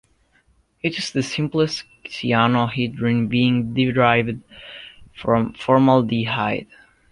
It is the simplest cyanohydrin, being derived from formaldehyde.